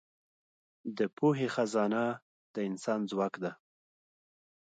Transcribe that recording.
د پوهې خزانه د انسان ځواک ده.